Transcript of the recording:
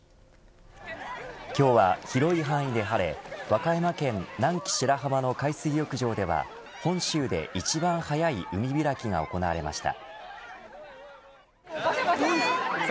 今日は広い範囲で晴れ和歌山県南紀白浜の海水浴場では本州で一番早い海開きが行われました。